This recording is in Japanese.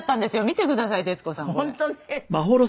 見てください徹子さんこれ。